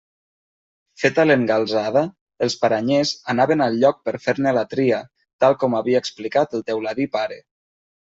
Feta l'engalzada els paranyers anaven al lloc per fer-ne la tria, tal com havia explicat el teuladí pare.